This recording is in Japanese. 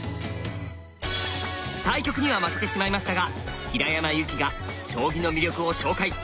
対局には負けてしまいましたが平山遊季が将棋の魅力を紹介！